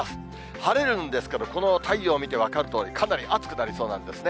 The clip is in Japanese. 晴れるんですけど、この太陽見て分かるとおり、かなり暑くなりそうなんですね。